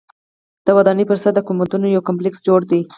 د ودانۍ پر سر د ګنبدونو یو کمپلیکس جوړ دی.